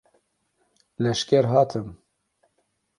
Leşger hatin.